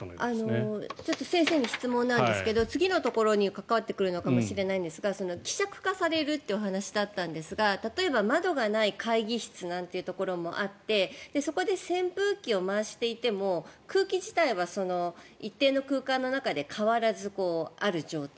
先生に質問ですが次のところに関わってくるのかもしれないんですが希釈化されるというお話だったんですが例えば窓がない会議室なんていうところもあってそこで扇風機を回していても空気自体は一定の空間の中で変わらずある状態。